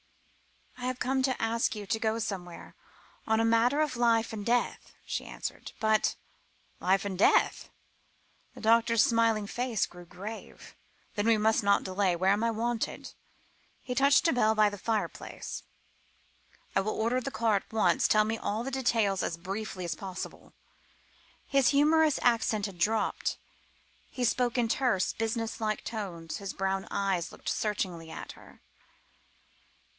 "I have come to ask you to go somewhere, on a matter of life and death," she answered, "but " "Life and death?" the doctor's smiling face grew grave "then we must not delay. Where am I wanted?" He touched a bell by the fireplace. "I will order the car at once. Tell me all details as briefly as possible." His humorous accent had dropped; he spoke in terse, business like tones, his brown eyes looked searchingly at her.